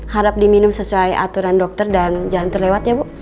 harap diminum sesuai aturan dokter dan jangan terlewat ya bu